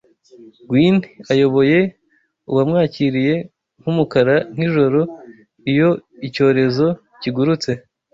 Gwini ayoboye uwamwakiriye, nkumukara nkijoro Iyo icyorezo kigurutse